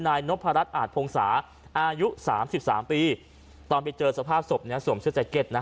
นายนพรัชอาจพงศาอายุสามสิบสามปีตอนไปเจอสภาพศพเนี้ยสวมเสื้อแจ็ตนะ